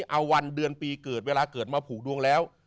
เอาวันเดือนปีเกิดเวลาเกิดมาผูกดวงแล้ว